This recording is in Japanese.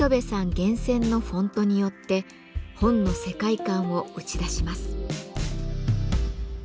厳選のフォントによって本の世界観を打ち出します。